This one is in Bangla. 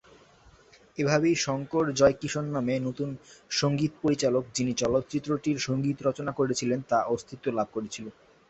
এভাবেই 'শঙ্কর-জয়কিশন' নামে নতুন সংগীত পরিচালক যিনি চলচ্চিত্রটির সংগীত রচনা করেছিলেন তা অস্তিত্ব লাভ করেছিল।